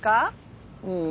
うん。